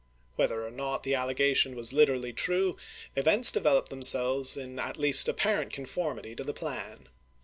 Whether or not the allegation was literally true, events developed them selves in at least an apparent conformity to the plan.